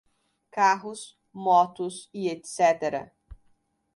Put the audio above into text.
Carros, Motos e etc.